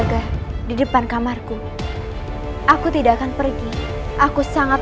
karena aku melihat puteraku sendiri